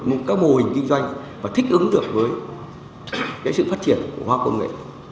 một cái mô hình kinh doanh và thích ứng được với cái sự phát triển của hoa công nghệ